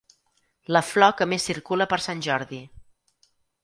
La flor que més circula per sant Jordi.